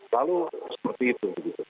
lalu seperti itu